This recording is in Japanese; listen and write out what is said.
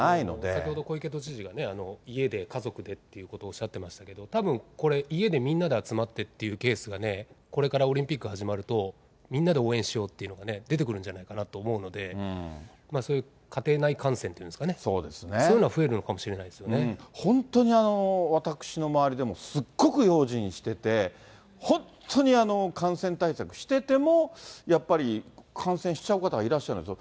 先ほど、小池都知事が家で家族でっていうことをおっしゃってましたけれども、これたぶん、家でみんなで集まってってというケースがこれからオリンピック始まると、みんなで応援しようというのが出てくるんじゃないかなと思うので、そういう家庭内感染っていうんですかね、そういうのは本当に私の周りでも、すごく用心してて、本当に感染対策してても、やっぱり感染しちゃう方がいらっしゃるんですよ。